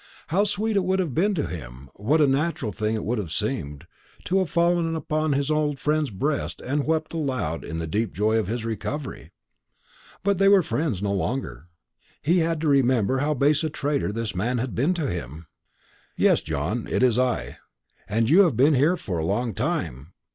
How sweet it would have been to him, what a natural thing it would have seemed, to have fallen upon his old friend's breast and wept aloud in the deep joy of this recovery! But they were friends no longer. He had to remember how base a traitor this man had been to him. "Yes, John, it is I." "And you have been here for a long time.